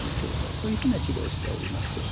そういうふうな治療をしております。